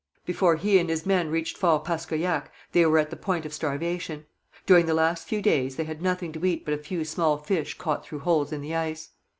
Before he and his men reached Fort Paskoyac they were at the point of starvation. During the last few days they had nothing to eat but a few small fish caught through holes in the ice.